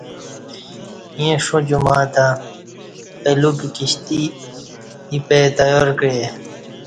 ییں شو جمعہ تہ اہ لوکی کشتی اِیپہ تیار کعئے